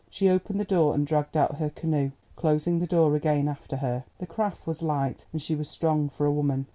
She opened the door, and dragged out her canoe, closing the door again after her. The craft was light, and she was strong for a woman.